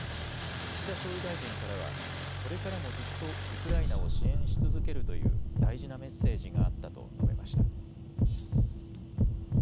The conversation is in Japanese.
岸田総理大臣からはこれからもずっとウクライナを支援し続けるという大事なメッセージがあったと述べました。